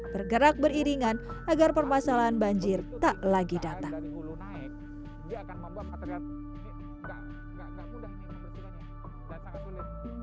bergerak beriringan agar permasalahan banjir tak lagi datang